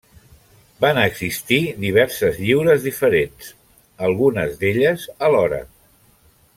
Van existir diverses lliures diferents, algunes d'elles alhora.